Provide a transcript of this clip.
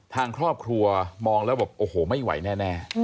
ทางครอบครัวมองแล้วแบบโอ้โหไม่ไหวแน่